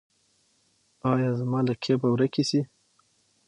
ایا زما لکې به ورکې شي؟